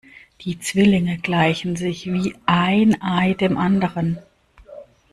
Die Zwillinge gleichen sich wie ein Ei dem anderen.